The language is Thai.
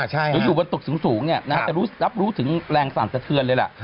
หรืออยู่บนตุกสูงเนี่ยรับรู้ถึงแรงสรรสเทือนเลยล่ะ